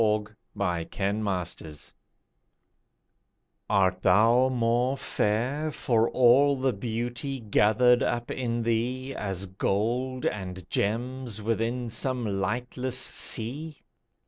SONG TO OBLIVION Art thou more fair For all the beauty gathered up in thee, As gold and gems within some lightless sea?